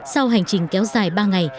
sau hành trình kéo dài ba ngày